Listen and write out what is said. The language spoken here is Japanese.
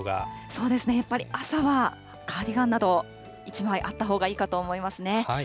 そうですね、やっぱり朝はカーディガンなど１枚あったほうがいいかと思いますね。